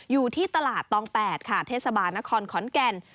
อยู่ที่ตลาดตอง๘ค่ะเทศบาลนครขอนแก่น